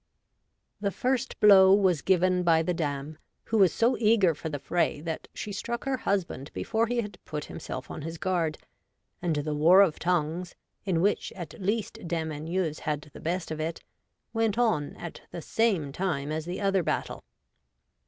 The first blow was given by the Dame, who was so eager for the fray that she struck her husband before he had put himself on his guard ; and the war of tongues, in which at least Dame Anieuse had the best of it, went on at the same time as the other battle.